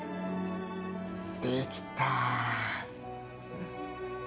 できた